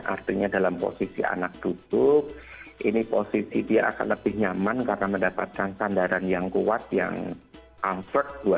artinya dalam posisi anak duduk ini posisi dia akan lebih nyaman karena mendapatkan sandaran yang kuat yang umford